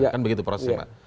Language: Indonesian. kan begitu prosesnya pak